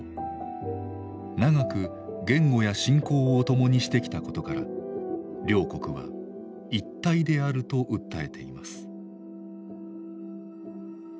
長く言語や信仰を共にしてきたことから両国は一体であると訴えています。